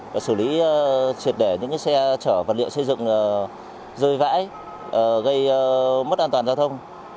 và xử lý triệt để những xe chở vật liệu xây dựng rơi vãi gây mất an toàn giao thông